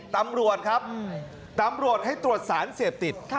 ตำรวจครับตำรวจให้ตรวจสารเสพติด